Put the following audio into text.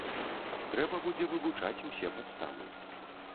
Трэба будзе вывучаць усе падставы.